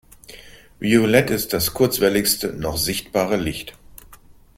Violett ist das kurzwelligste noch sichtbare Licht.